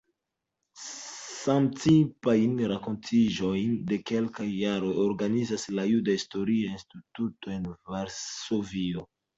Samtipajn renkontiĝojn de kelkaj jaroj organizas la Juda Historia Instituto en Varsovio.